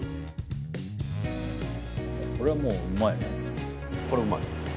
これはもううまいね。